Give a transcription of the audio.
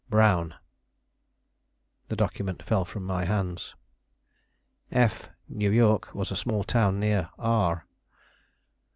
"BROWN." The document fell from my hands. F , N. Y., was a small town near R